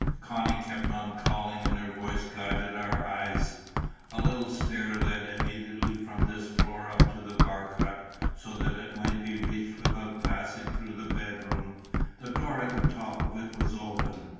Connie kept on calling, and her voice guided our eyes. A little stair led immediately from this floor up to the bark hut, so that it might be reached without passing through the bedroom. The door at the top of it was open.